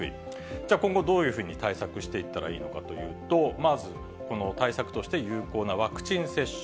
じゃあ、今後、どういうふうに対策していったらいいのかというと、まずこの対策として有効なワクチン接種。